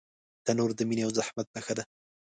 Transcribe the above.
تنور د مینې او زحمت نښه ده